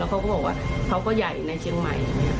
เขาก็บอกว่าเขาก็ใหญ่ในเชียงใหม่